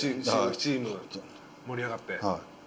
チーム盛り上がって。